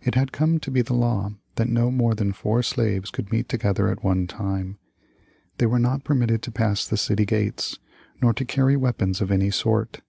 It had come to be the law that no more than four slaves could meet together at one time. They were not permitted to pass the city gates, nor to carry weapons of any sort.